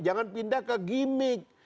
jangan pindah ke gimmick